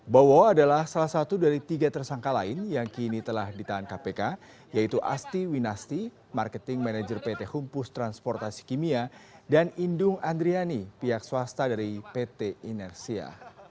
bowo adalah salah satu dari tiga tersangka lain yang kini telah ditahan kpk yaitu asti winasti marketing manager pt humpus transportasi kimia dan indung andriani pihak swasta dari pt inersia